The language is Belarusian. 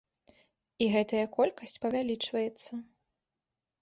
І гэтая колькасць павялічваецца.